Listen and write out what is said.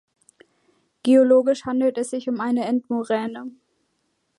Geologisch handelt es sich um eine Endmoräne.